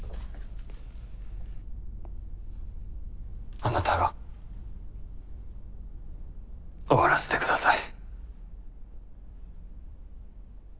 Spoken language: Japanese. あなたが終わらせてください。